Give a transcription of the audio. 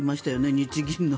日銀の。